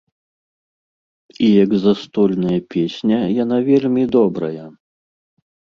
І як застольная песня яна вельмі добрая.